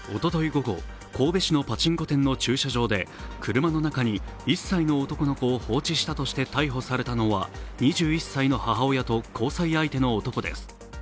午後神戸市のパチンコ店の駐車場で、車の中に１歳の男の子を放置したとして逮捕されたのは、２１歳の母親と交際相手の男です。